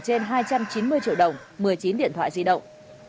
trên hai trăm chín mươi triệu đồng một mươi chín điện thoại di động